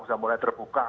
sudah mulai terbuka